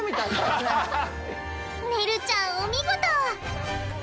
ねるちゃんお見事！